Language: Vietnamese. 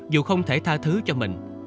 dù không thể tha thứ cho bình